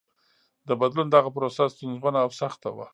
د بدلون دغه پروسه ستونزمنه او سخته وه.